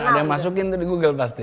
iya ada yang masukin itu di google pasti